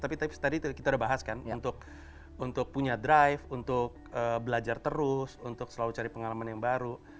tapi tadi kita udah bahas kan untuk punya drive untuk belajar terus untuk selalu cari pengalaman yang baru